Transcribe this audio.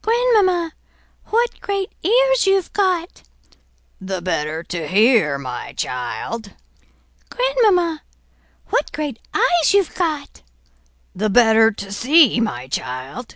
"Grandmamma, what great ears you've got!" "The better to hear, my child!" "Grandmamma, what great eyes you've got!" "The better to see, my child."